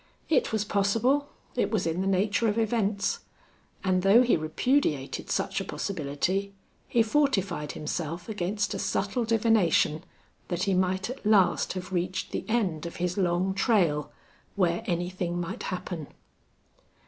It was possible; it was in the nature of events. And though he repudiated such a possibility, he fortified himself against a subtle divination that he might at last have reached the end of his long trail, where anything might happen.